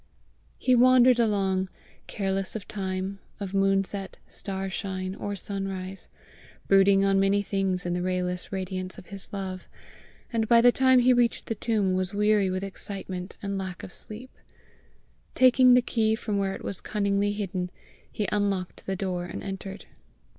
He wandered along, careless of time, of moonset, star shine, or sunrise, brooding on many things in the rayless radiance of his love, and by the time he reached the tomb, was weary with excitement and lack of sleep. Taking the key from where it was cunningly hidden, he unlocked the door and entered.